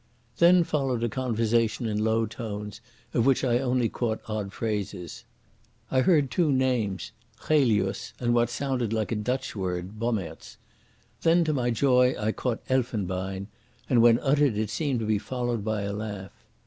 Then followed a conversation in low tones, of which I only caught odd phrases. I heard two names—Chelius and what sounded like a Dutch word, Bommaerts. Then to my joy I caught Elfenbein, and when uttered it seemed to be followed by a laugh.